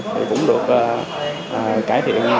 thì cũng được cải thiện